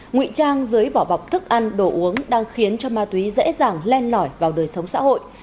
ngụy trang dưới vỏ bọc thức ăn đồ uống đang khiến cho ma túy dễ dàng len lỏi vào đời sống xã hội